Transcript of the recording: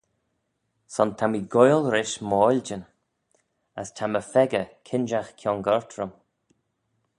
Son ta mee goaill-rish m'oiljyn: as ta my pheccah kinjagh kiongoyrt rhym.